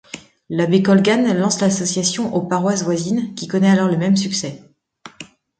L'abbé Colgan lance l'association aux paroisses voisines, qui connait alors le même succès.